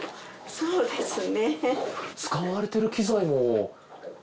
そうですね。